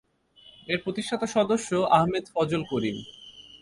এর প্রতিষ্ঠাতা সদস্য আহমেদ ফজল করিম।